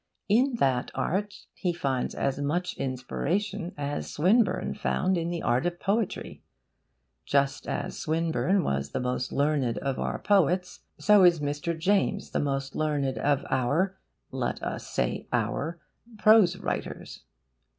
In that art he finds as much inspiration as Swinburne found in the art of poetry. Just as Swinburne was the most learned of our poets, so is Mr. James the most learned of our let us say 'our' prose writers.